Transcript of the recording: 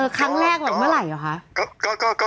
เออครั้งแรกเมื่อไหร่เหรอคะ